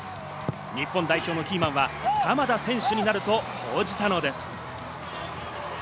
日本代表のキーマンは鎌田選手になると報じたのです。